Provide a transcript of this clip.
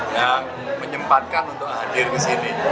yang menyempatkan untuk hadir ke sini